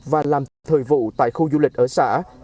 và làm theo thời vụ tại khu du lịch ở xã